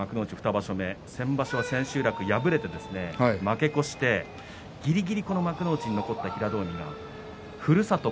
２場所目先場所、千秋楽敗れて負け越してぎりぎりこの幕内に残った平戸海がふるさと